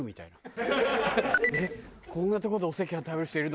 こんなとこでお赤飯食べる人いるの？